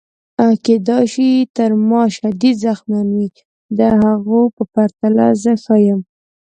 کیدای شي تر ما شدید زخمیان وي، د هغو په پرتله زه ښه یم.